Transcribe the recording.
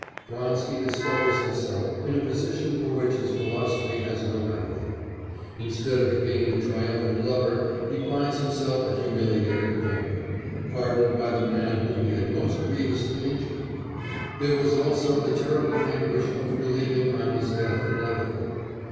Vronsky discovers himself in a position for which his philosophy has no remedy; instead of being the triumphant lover he finds himself a humiliated offender, pardoned by the man whom he had most grievously injured; there was also the terrible anguish of believing Anna's death inevitable.